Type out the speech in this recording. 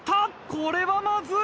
これはまずい。